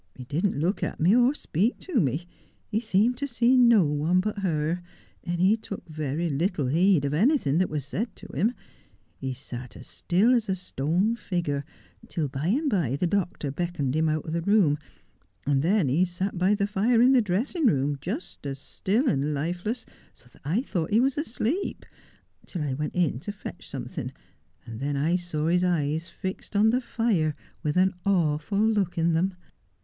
He did not look at me, or speak to me. He seemed to see no one but her ; and he took very little heed of anything that was said to him. He sat as still as a stone figure, till by and by the doctor beckoned him out of the room, and then he sat by the fire in the dressing room, just as still and lifeless, so that I thought he was asleep, till I went in to fetch something, and then I saw his eyes fixed on the fire with an awful look in them.